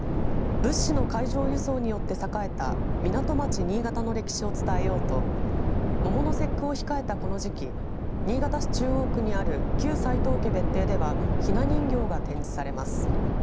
物資の海上輸送によって栄えた港町新潟の歴史を伝えようと桃の節句を控えたこの時期新潟市中央区にある旧齋藤家別邸ではひな人形が展示されます。